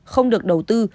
không được đầu tư